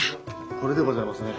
これでございますね。